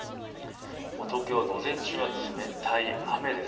東京は午前中は冷たい雨です。